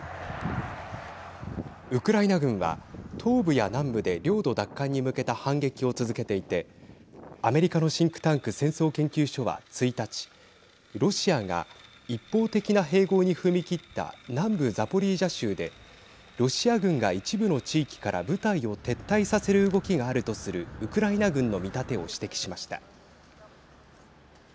ウクライナ軍は、東部や南部で領土奪還に向けた反撃を続けていてアメリカのシンクタンク戦争研究所は１日ロシアが一方的な併合に踏み切った南部ザポリージャ州でロシア軍が一部の地域から部隊を撤退させる動きがあるとするウクライナ軍の見立てを指摘しました。